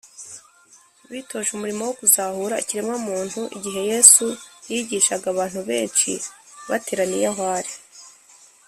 bitoje umurimo wo kuzahura ikiremwamuntu igihe yesu yigishaga abantu benshi bateraniye aho ari,